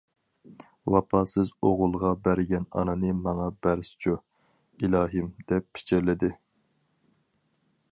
«ۋاپاسىز ئوغۇلغا بەرگەن ئانىنى ماڭا بەرسىچۇ، ئىلاھىم! » دەپ پىچىرلىدى.